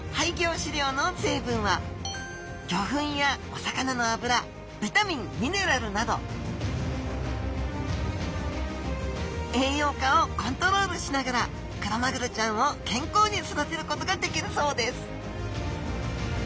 飼料の成分は魚粉やお魚の油ビタミンミネラルなど栄養価をコントロールしながらクロマグロちゃんを健康に育てることができるそうです